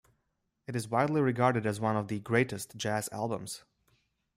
It is widely regarded as one of the greatest jazz albums.